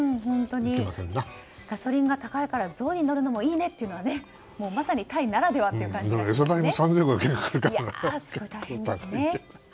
ガソリンが高いからゾウに乗るのもいいねっていうのがまさにタイならではという感じがしますよね。